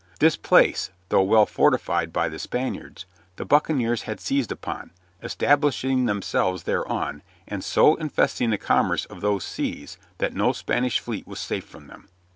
This place, though well fortified by the Spaniards, the buccaneers had seized upon, establishing themselves thereon, and so infesting the commerce of those seas that no Spanish fleet was safe from them.